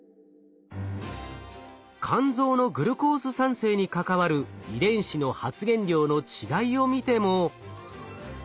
肝臓のグルコース産生に関わる遺伝子の発現量の違いを見ても。